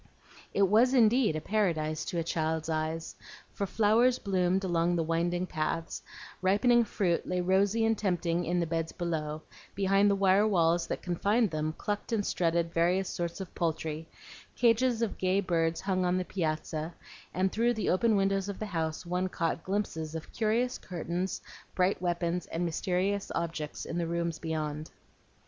It was indeed a paradise to a child's eyes, for flowers bloomed along the winding paths; ripening fruit lay rosy and tempting in the beds below; behind the wire walls that confined them clucked and strutted various sorts of poultry; cages of gay birds hung on the piazza; and through the open windows of the house one caught glimpses of curious curtains, bright weapons, and mysterious objects in the rooms beyond.